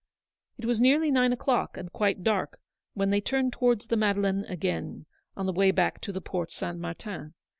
It was nearly nine o'clock, and quite dark, when they turned towards the Madeleine again, on the way back to the Porte St. Martin.